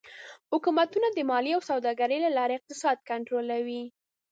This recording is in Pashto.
حکومتونه د مالیې او سوداګرۍ له لارې اقتصاد کنټرولوي.